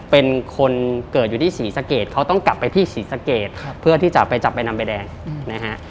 เป็นคนเกิดอยู่ที่ศรีสะเกดเขาต้องกลับไปที่ศรีสะเกดเพื่อที่จะไปจับใบนำใบแดงนะฮะ